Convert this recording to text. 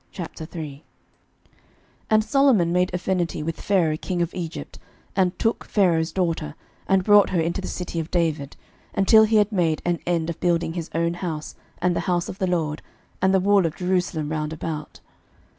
11:003:001 And Solomon made affinity with Pharaoh king of Egypt, and took Pharaoh's daughter, and brought her into the city of David, until he had made an end of building his own house, and the house of the LORD, and the wall of Jerusalem round about.